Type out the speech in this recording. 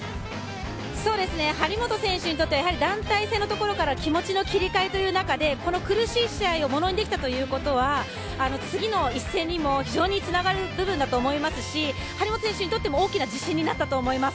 張本選手にとってはやはり団体戦のところから気持ちの切り替えという中でこの苦しい試合をものにできたということは次の一戦にも非常につながる部分だと思いますし張本選手にとっても大きな自信になったと思います。